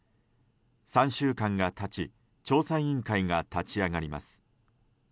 ３週間が経ち調査委員会が立ち上がります。